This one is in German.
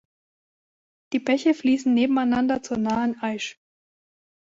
Die Bäche fließen nebeneinander zur nahen Aisch.